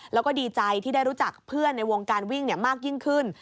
แล้วก็ดีใจที่ได้รู้จักเพื่อนในวงการวิ่งมากยิ่งขึ้น